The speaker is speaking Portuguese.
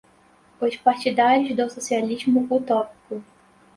os partidários do socialismo utópico